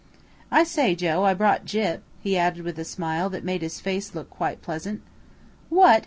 I say, Joe, I brought Gyp," he added with a smile that made his face look quite pleasant. "What!